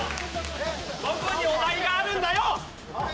どこにお題があるんだよ！